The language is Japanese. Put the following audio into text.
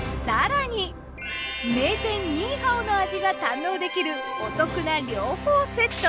名店ニーハオの味が堪能できるお得な両方セット。